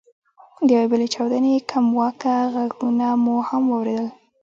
د یوې بلې چاودنې کمواکه ږغونه مو هم واورېدل.